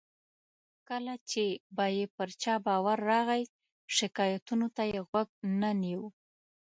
کله چې به یې پر چا باور راغی، شکایتونو ته یې غوږ نه نیو.